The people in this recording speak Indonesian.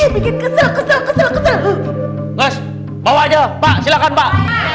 bikin kesel kesel kesel kesel bahwa aja pak silakan pak